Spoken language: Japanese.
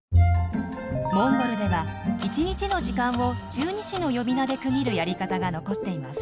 モンゴルでは一日の時間を十二支の呼び名で区切るやり方が残っています。